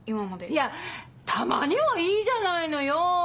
いやたまにはいいじゃないのよ。